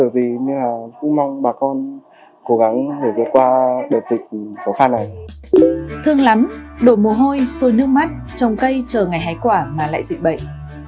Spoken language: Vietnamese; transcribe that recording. thương lắm đổ mồ hôi sôi nước mắt trồng cây chờ ngày hái quả mà lại dịch bệnh